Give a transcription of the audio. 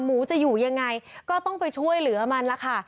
หมูจะอยู่ยังไงก็ต้องไปช่วยเหลือมันล่ะค่ะ